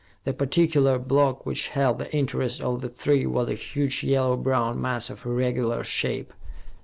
The particular block which held the interest of the three was a huge yellow brown mass of irregular shape.